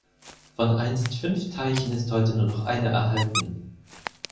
Von einst fünf Teichen ist heute nur noch einer erhalten.